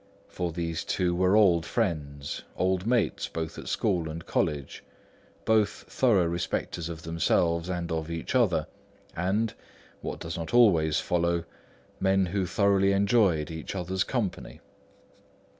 For these two were old friends, old mates both at school and college, both thorough respectors of themselves and of each other, and what does not always follow, men who thoroughly enjoyed each other's company.